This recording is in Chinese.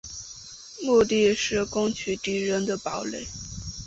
目的是攻取敌人堡垒。